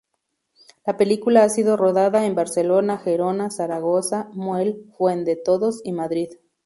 La película ha sido rodada en Barcelona, Gerona, Zaragoza, Muel, Fuendetodos y Madrid.